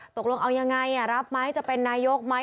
ตกลงเอายังไงรับไหมจะเป็นนายกไหม